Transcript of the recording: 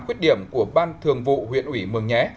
khuyết điểm của ban thường vụ huyện ủy mường nhé